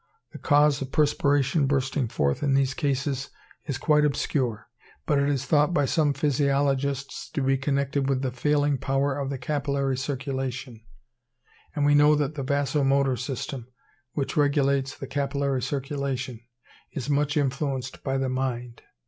The cause of perspiration bursting forth in these cases is quite obscure; but it is thought by some physiologists to be connected with the failing power of the capillary circulation; and we know that the vasomotor system, which regulates the capillary circulation, is much influenced by the mind.